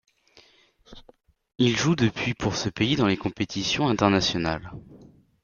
Il joue depuis pour ce pays dans les compétitions internationales.